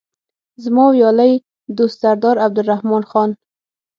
زما ویاړلی دوست سردار عبدالرحمن خان.